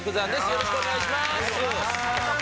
よろしくお願いします。